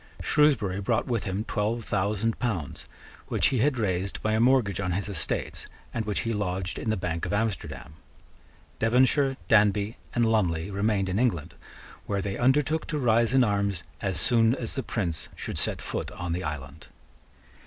Shrewsbury brought with him twelve thousand pounds, which he had raised by a mortgage on his estates, and which he lodged in the bank of Amsterdam. Devonshire, Danby, and Lumley remained in England, where they undertook to rise in arms as soon as the Prince should set foot on the island.